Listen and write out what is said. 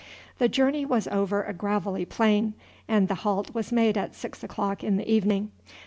The journey was over a gravelly plain, and the halt was made at six o'clock in the evening.